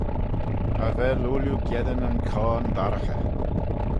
Cha vel ooilley geddyn y coan dorraghey.